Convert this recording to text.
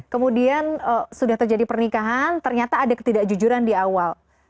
kemudian sudah terjadi pernikahan ternyata ada ketidakjujuran di awal